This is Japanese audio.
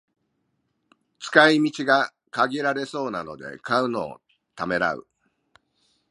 使い道が限られそうで買うのにためらう